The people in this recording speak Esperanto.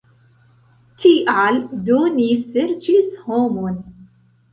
Tial do ni serĉis homon.